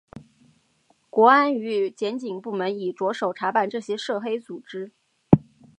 国安与检警部门已着手查办这些涉黑组织。